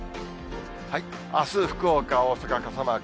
あす、福岡、大阪、傘マーク。